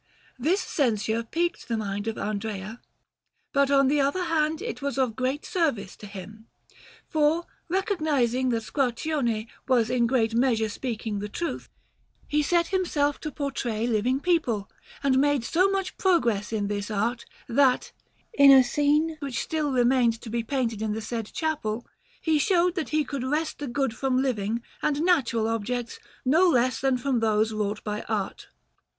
This censure piqued the mind of Andrea; but, on the other hand, it was of great service to him, for, recognizing that Squarcione was in great measure speaking the truth, he set himself to portray living people, and made so much progress in this art, that, in a scene which still remained to be painted in the said chapel, he showed that he could wrest the good from living and natural objects no less than from those wrought by art.